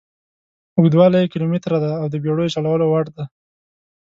اوږدوالی یې کیلومتره دي او د بېړیو چلولو وړ دي.